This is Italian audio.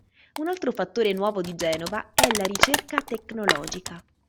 Un altro fattore nuovo di Genova è la ricerca tecnologica.